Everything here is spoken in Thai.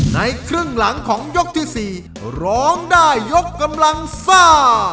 ในครึ่งหลังของยกที่๔ร้องได้ยกกำลังซ่า